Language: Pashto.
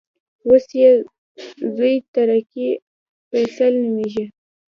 اوس یې زوې ترکي الفیصل نومېږي.